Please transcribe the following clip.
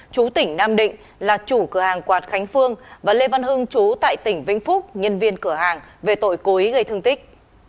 chú tỉnh nam định là chủ cửa hàng quạt khánh phương và lê văn hưng chú tại tỉnh vĩnh phúc nhân viên cửa hàng về tội cố ý gây thương tích